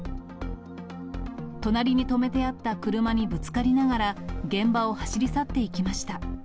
隣に止めてあった車にぶつかりながら、現場を走り去っていきました。